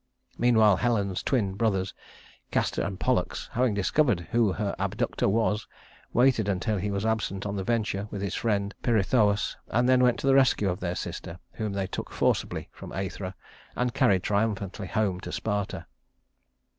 Meanwhile Helen's twin brothers, Castor and Pollux, having discovered who her abductor was, waited until he was absent on the venture with his friend Pirithous, and then went to the rescue of their sister, whom they took forcibly from Æthra, and carried triumphantly home to Sparta.